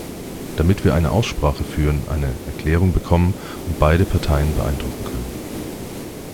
Damit wir eine Aussprache führen, eine Erklärung bekommen und beide Parteien beeindrucken können.